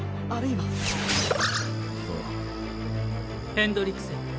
ヘンドリクセン。